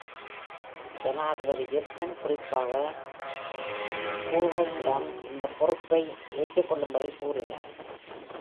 ஜனாதிபதி வில்சன் குறிப்பாக Schwabபிடம் இந்த பொறுப்பை ஏற்றுக்கொள்ளும்படி கூறினார்.